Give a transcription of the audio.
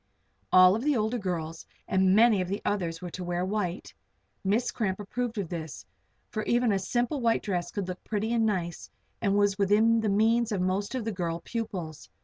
All the older girls and many of the others were to wear white. Miss Cramp approved of this, for even a simple white dress would look pretty and nice and was within the means of most of the girl pupils.